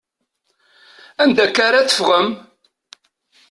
Anda akka ara teffɣem?